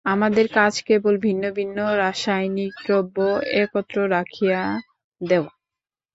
আমাদের কাজ কেবল ভিন্ন ভিন্ন রাসায়নিক দ্রব্য একত্র রাখিয়া দেওয়া।